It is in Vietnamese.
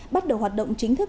bắt đầu hoạt động chính thức